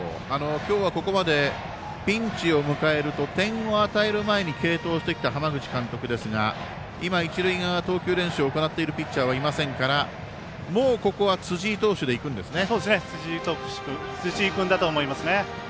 今日はここまでピンチを迎えると点を与える前に継投してきた浜口監督ですが今、一塁側投球練習を行っているピッチャーはいませんからもうここは辻井投手で辻井君だと思いますね。